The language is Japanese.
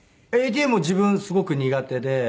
ＡＴＭも自分すごく苦手で。